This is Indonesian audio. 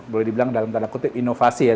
boleh dibilang dalam tanda kutip inovasi ya